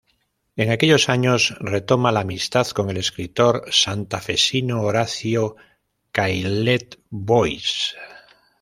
En aquellos años retoma la amistad con el escritor santafesino Horacio Caillet-Bois.